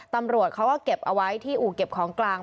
ตำรวจเขาก็เก็บเอาไว้ที่อู่เก็บของกลาง